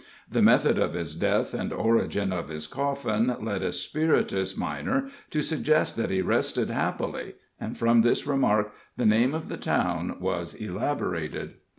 The method of his death and origin of his coffin led a spirituous miner to suggest that he rested happily, and from this remark the name of the town was elaborated.